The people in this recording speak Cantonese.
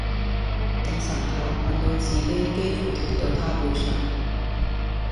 定神後看到自己幾乎貼到他背上